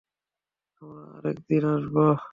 আমরা আরেকদিন আসবো।